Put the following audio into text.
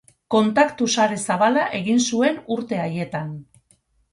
Kontaktu sare zabala egin zuen urte haietan.